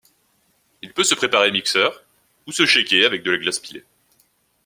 Il peut se préparer mixeur, ou se shaker avec de la glace pilée.